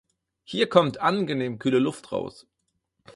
Hier kommt angenehm kühle Luft raus.